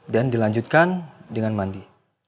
dan dilanjutkan dengan mandi